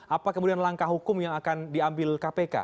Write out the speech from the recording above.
apa kemudian langkah hukum yang akan diambil kpk